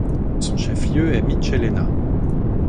Son chef-lieu est Michelena.